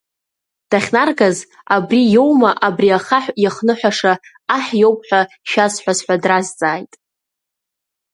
Дахьнаргаз, Абри иоума абри ахаҳә иахныҳәаша аҳ иоуп ҳәа шәазҳәаз ҳәа дразҵааит.